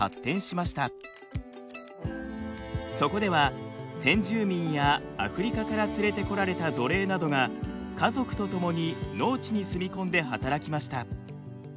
そこでは先住民やアフリカから連れてこられた奴隷などが家族と共に農地に住み込んで働きました。